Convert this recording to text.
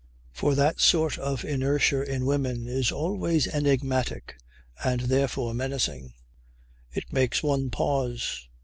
For that sort of inertia in woman is always enigmatic and therefore menacing. It makes one pause.